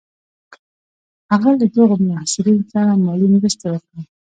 هغه له دغو محصلینو سره مالي مرستې وکړې.